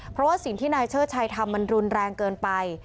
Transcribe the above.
เพราะว่าสิ่งที่นายเชิดชัยทำมันรุนแรงเกินไป